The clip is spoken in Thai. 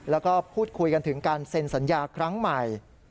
แล้วก็พูดคุยกันถึงการเซ็นสัญญาครั้งใหม่